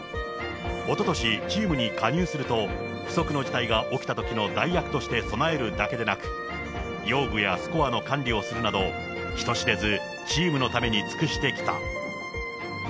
おととし、チームに加入すると、不測の事態が起きたときの代役として備えるだけでなく、用具やスコアの管理をするなど、人知れずチームのために尽くしてきた。